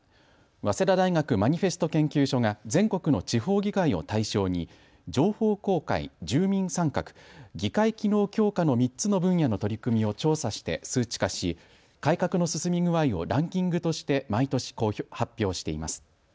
早稲田大学マニフェスト研究所が全国の地方議会を対象に情報公開、住民参画、議会機能強化の３つの分野の取り組みを調査して数値化し、改革の進み具合をランキングとして毎年、発表しています。